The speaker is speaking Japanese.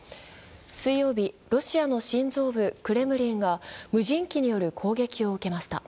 水曜日、ロシアの心臓部・クレムリンが無人機による攻撃を受けました。